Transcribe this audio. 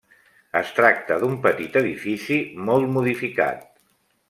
Es tracta d'un petit edifici molt modificat.